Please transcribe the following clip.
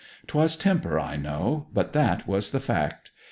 'Twas temper, I know, but that was the fact.